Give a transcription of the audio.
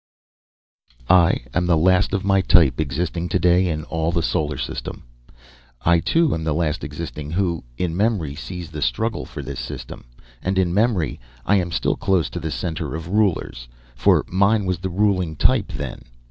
I am the last of my type existing today in all the Solar System. I, too, am the last existing who, in memory, sees the struggle for this System, and in memory I am still close to the Center of Rulers, for mine was the ruling type then.